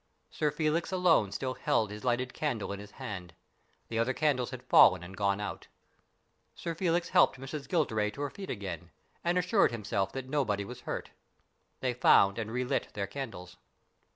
Sir Felix alone still held his lighted candle in his hand. The other candles had fallen and gone out. BURDON'S TOMB 77 Sir Felix helped Miss Gilderay to her feet again, and assured himself that nobody was hurt. They found and relit their candles.